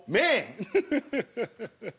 フフフフフフ。